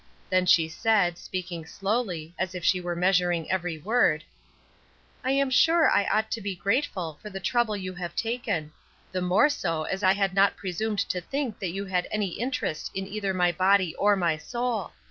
Then she said, speaking slowly, as if she were measuring every word: "I am sure I ought to be grateful for the trouble you have taken; the more so as I had not presumed to think that you had any interest in either my body or my soul.